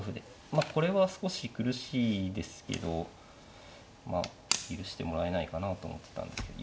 まあこれは少し苦しいですけどまあ許してもらえないかなあと思ってたんですけど。